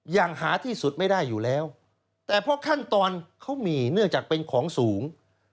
อย่างหาที่สุดไม่ได้อยู่แล้วแต่เพราะขั้นตอนเขามีเนื่องจากเป็นของสูง